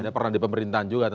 ada peran di pemerintahan juga